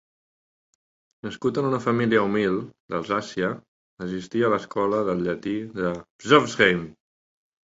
Nascut en una família humil d'Alsàcia, assistí a l'escola de llatí de Pforzheim.